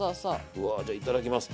うわじゃあいただきます。